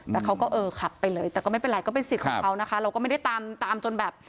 แต่เขาก็เออขับไปเลยแต่ก็ไม่เป็นไรก็เป็นสิทธิ์ของเขานะคะเราก็ไม่ได้ตามตามจนแบบ